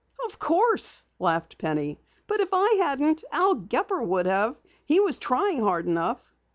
"Of course," laughed Penny. "But if I hadn't, Al Gepper would have. He was trying hard enough!"